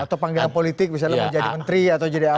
atau panggilan politik misalnya menjadi menteri